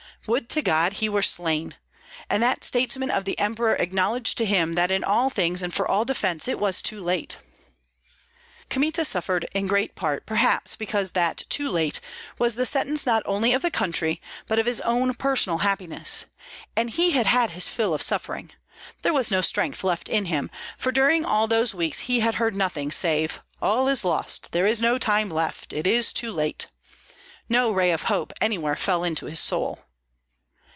Would to God he were slain! And that statesman of the emperor acknowledged to him that in all things and for all defence it was too late." Kmita suffered in great part perhaps because that "too late" was the sentence not only of the country, but of his own personal happiness. And he had had his fill of suffering; there was no strength left in him, for during all those weeks he had heard nothing save, "All is lost, there is no time left, it is too late." No ray of hope anywhere fell into his soul.